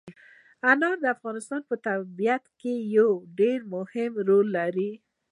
انار د افغانستان په طبیعت کې یو ډېر مهم رول لري.